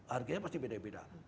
harganya pasti beda beda